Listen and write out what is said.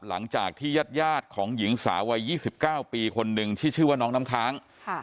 หลังจากที่ญาติของหญิงสาววัย๒๙ปีคนหนึ่งที่ชื่อว่าน้องน้ำค้าง